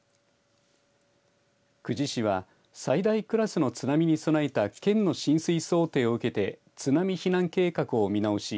久慈市は最大クラスの津波に備えた県の浸水想定を受けて津波避難計画を見直し